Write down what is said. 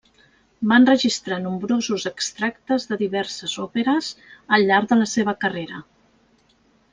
Va enregistrar nombrosos extractes de diverses òperes al llarg de la seva carrera.